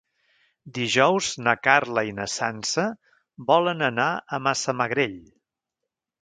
Dijous na Carla i na Sança volen anar a Massamagrell.